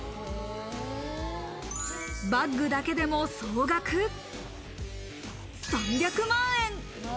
バッグだけでも総額３００万円。